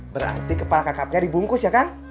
berarti kepala kakapnya dibungkus ya kan